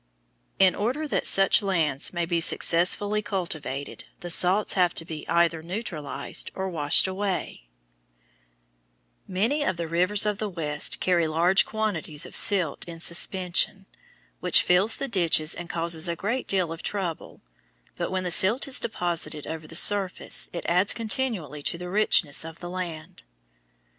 In order that such lands may be successfully cultivated, the salts have to be either neutralized or washed away. [Illustration: FIG. 117. IRRIGATING DITCH, NEAR PHOENIX, ARIZONA] Many of the rivers of the West carry large quantities of silt in suspension, which fills the ditches and causes a great deal of trouble; but when the silt is deposited over the surface it adds continually to the richness of the land.